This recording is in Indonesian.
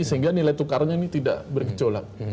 sehingga nilai tukarnya ini tidak bergejolak